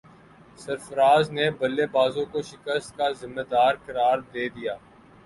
سرفراز نے بلے بازوں کو شکست کا ذمہ دار قرار دے دیا